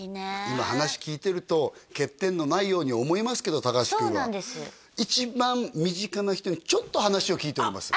今話聞いてると欠点のないように思いますけど高橋君は一番身近な人にちょっと話を聞いております